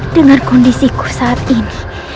dengan kondisiku saat ini